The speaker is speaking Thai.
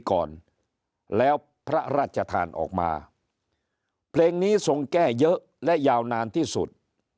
ก่อนแล้วพระราชทานออกมาเพลงนี้ทรงแก้เยอะและยาวนานที่สุด